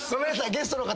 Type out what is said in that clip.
ゲストの方。